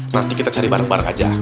nanti kita cari bareng bareng aja